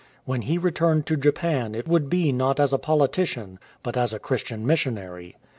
When he returned to Japan it would be not as a politician, but as a Christian missionary.